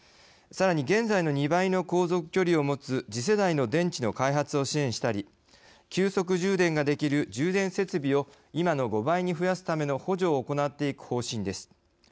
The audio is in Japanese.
さらに現在の２倍の航続距離を持つ次世代の電池の開発を支援したり急速充電ができる充電設備を今の５倍に増やすための補助を行っていく方針です。